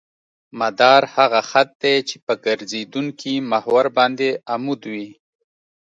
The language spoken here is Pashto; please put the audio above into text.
مدار هغه خط دی چې په ګرځېدونکي محور باندې عمود وي